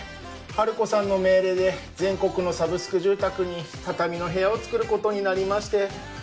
ハルコさんの命令で全国のサブスク住宅に畳の部屋を作ることになりまして。